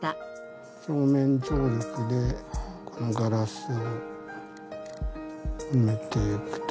表面張力でこのガラスを埋めていくと。